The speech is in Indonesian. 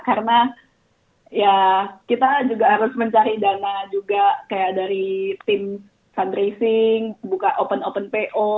karena ya kita juga harus mencari dana juga kayak dari tim fundraising buka open open po